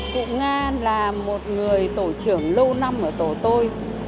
cụ nga là một người tổ trưởng lâu năm ở tổ tôi